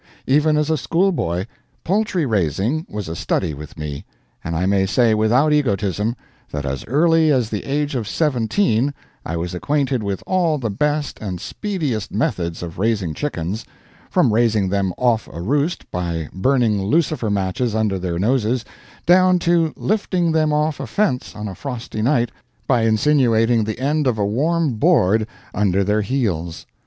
Even as a schoolboy, poultry raising was a study with me, and I may say without egotism that as early as the age of seventeen I was acquainted with all the best and speediest methods of raising chickens, from raising them off a roost by burning lucifer matches under their noses, down to lifting them off a fence on a frosty night by insinuating the end of a warm board under their heels.